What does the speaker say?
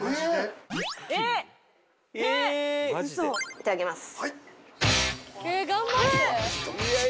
いただきます。